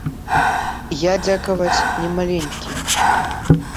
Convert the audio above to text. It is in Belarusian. Я, дзякаваць, не маленькі.